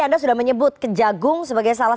anda sudah menyebut kejagung sebagai salah